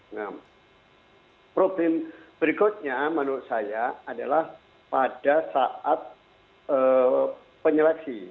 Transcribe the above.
nah problem berikutnya menurut saya adalah pada saat penyeleksi